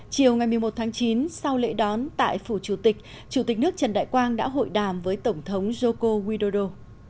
chiều ngày một mươi một tháng chín sau lễ đón tại phủ chủ tịch chủ tịch nước trần đại quang đã hội đàm với tổng thống joko widodo